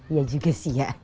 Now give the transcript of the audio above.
iya juga sih ya